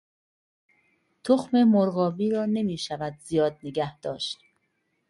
تخم مرغابی را نمیشود زیاد نگهداشت.